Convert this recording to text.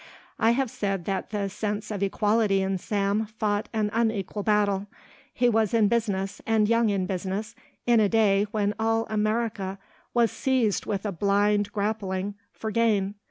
I have said that the sense of equity in Sam fought an unequal battle. He was in business, and young in business, in a day when all America was seized with a blind grappling for gain.